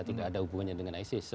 tidak ada hubungannya dengan isis